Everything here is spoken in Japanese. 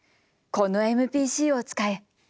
「このＭＰＣを使え。